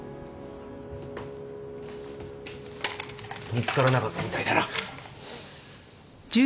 見つからなかったみたいだな。